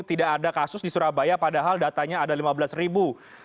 tidak ada kasus di surabaya padahal datanya ada lima belas ribu